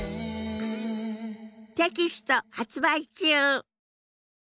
テキスト発売中！